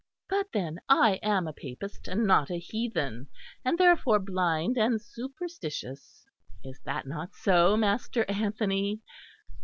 But then I am a Papist and not a heathen, and therefore blind and superstitious. Is that not so, Master Anthony?...